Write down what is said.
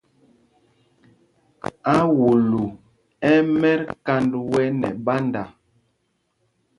Aūlū ɛ́ ɛ́ mɛt kánd wɛ nɛ ɓánda.